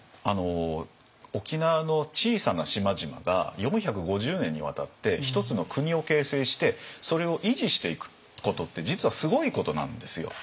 沖縄の小さな島々が４５０年にわたって一つの国を形成してそれを維持していくことって実はすごいことなんですよ。